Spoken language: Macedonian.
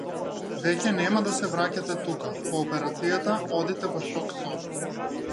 Веќе нема да се враќате тука, по операцијата одите во шок соба.